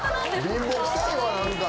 貧乏くさいわ何か。